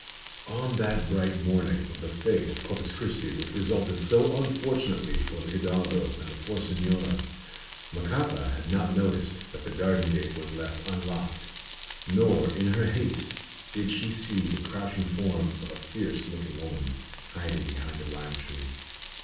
On that bright morning of the fête of Corpus Christi, which resulted so unfortunately for the hidalgo and the poor señora, Macata had not noticed that the garden gate was left unlocked, nor in her haste did she see the crouching form of a fierce looking woman hiding behind the lime tree.